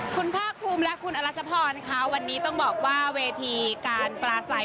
คุณภาคภูมิและคุณอรัชพรค่ะวันนี้ต้องบอกว่าเวทีการปลาใส